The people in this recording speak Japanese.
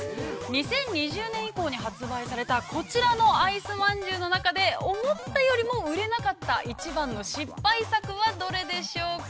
２０２０年以降に発売されたこちらのあいすまんじゅうの中で、思ったよりも売れなかった一番の失敗作はどれでしょうか。